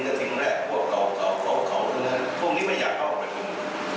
มาเสือกจากต่อก่อเอาเขา